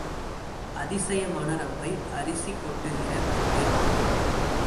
அதிசயமான ரம்பை, அரிசி கொட்டுகிற தொம்பை.